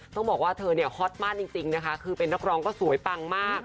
ต้องบอกว่าเธอเนี่ยฮอตมากจริงนะคะคือเป็นนักร้องก็สวยปังมาก